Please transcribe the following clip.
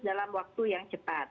dalam waktu yang cepat